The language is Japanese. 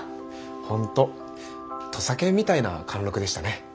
本当土佐犬みたいな貫禄でしたね。